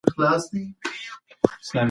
هر څوک حق لري چې زده کړې وکړي.